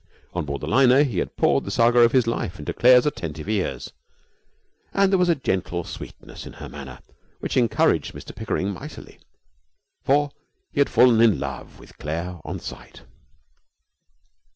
On board the liner he had poured the saga of his life into Claire's attentive ears, and there was a gentle sweetness in her manner which encouraged Mr Pickering mightily, for he had fallen in love with Claire on sight.